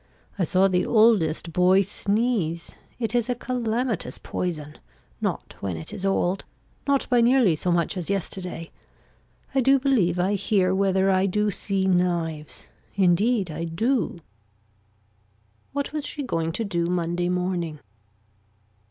I saw the oldest boy sneeze. It is a calamitous poison. Not when it is old. Not by nearly so much as yesterday. I do believe I hear whether I do see knives. Indeed I do. What was she going to do Monday morning.